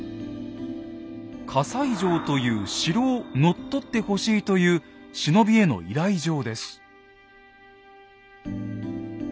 「西城という城を乗っ取ってほしい」という忍びへの依頼状です。